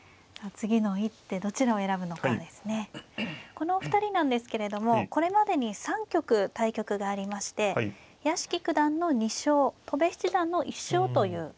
このお二人なんですけれどもこれまでに３局対局がありまして屋敷九段の２勝戸辺七段の１勝という結果になっていますね。